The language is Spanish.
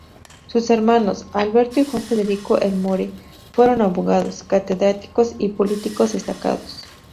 Sus hermanos, Alberto y Juan Federico Elmore, fueron abogados, catedráticos y políticos destacados.